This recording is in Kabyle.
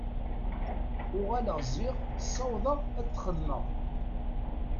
Uɣaleɣ ziɣ, ssawḍeɣ ad t-xedmeɣ.